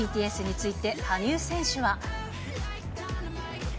ＢＴＳについて羽生選手は。